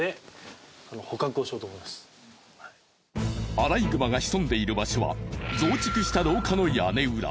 アライグマが潜んでいる場所は増築した廊下の屋根裏。